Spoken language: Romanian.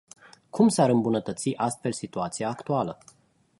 Cum s-ar îmbunătăți astfel situația actuală?